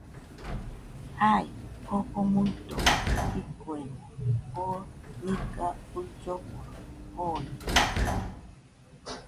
Jai, Jofo nuido ikoemo, oo niga uilloforo joniai